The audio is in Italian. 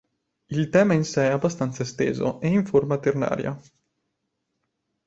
Il tema in sé è abbastanza esteso e in forma ternaria.